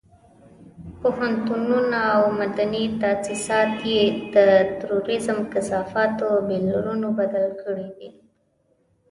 پوهنتونونه او مدني تاسيسات یې د تروريزم کثافاتو بيولرونو بدل کړي دي.